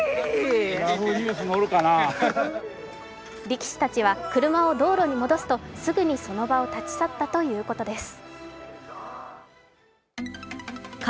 力士たちは車を道路に戻すと、すぐにその場を立ち去ったということです。